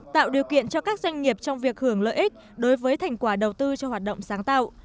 tạo điều kiện cho các doanh nghiệp trong việc hưởng lợi ích đối với thành quả đầu tư cho hoạt động sáng tạo